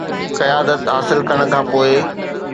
قيادت حاصل ڪرڻ کان پوء